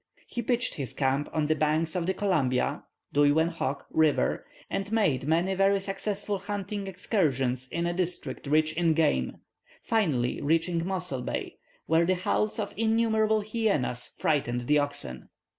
He pitched his camp on the banks of the Columbia (Duywen Hock) river and made many very successful hunting excursions in a district rich in game, finally reaching Mossel Bay, where the howls of innumerable hyenas frightened the oxen.